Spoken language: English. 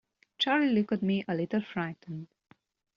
Charley looked at me a little frightened.